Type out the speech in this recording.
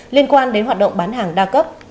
liên quan đến hoạt động bán hàng đa cấp